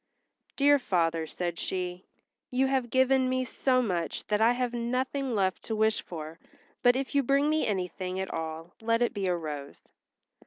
"Dear father," said she, "you have given me so much that I have nothing left to wish for; but if you bring me anything at all let it be a rose."